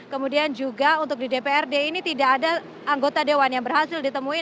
kemudian juga untuk di dprd ini tidak ada anggota dewan yang berhasil ditemui